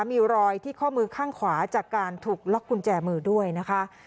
มีรอยที่ข้อมือข้างขวาจากการถูกล็อกกุญแจมือด้วยนะคะ